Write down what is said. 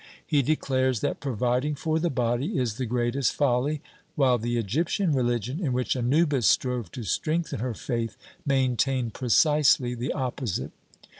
He declares that providing for the body is the greatest folly, while the Egyptian religion, in which Anubis strove to strengthen her faith, maintained precisely the opposite.